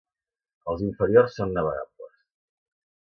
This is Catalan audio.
Els inferiors són navegables.